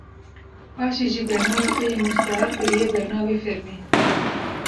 paşê jî bernavê xwe yê mustear kiriye bernavê fermî